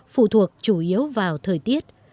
phụ thuộc chủ yếu vào thời tiết